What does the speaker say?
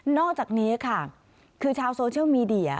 อกจากนี้ค่ะคือชาวโซเชียลมีเดีย